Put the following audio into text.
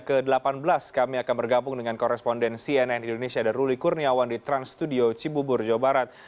ke delapan belas kami akan bergabung dengan koresponden cnn indonesia dan ruli kurniawan di trans studio cibubur jawa barat